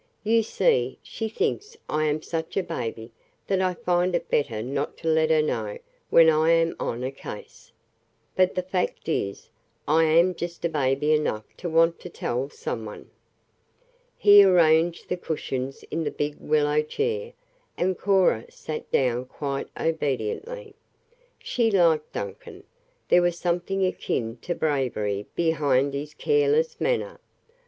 You see, she thinks I am such a baby that I find it better not to let her know when I am on a case. But the fact is, I am just baby enough to want to tell some one." He arranged the cushions in the big willow chair, and Cora sat down quite obediently. She liked Duncan there was something akin to bravery behind his careless manner.